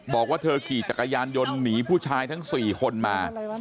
บอกว่าเธอขี่จักรยานยนต์หนีผู้ชายทั้ง๔คนมา